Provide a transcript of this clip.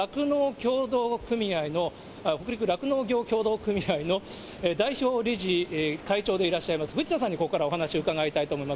北陸酪農業協同組合の代表理事会長でいらっしゃいます、藤田さんにここからお話伺いたいと思います。